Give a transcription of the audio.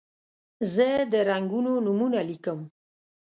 زه د رنګونو نومونه لیکم.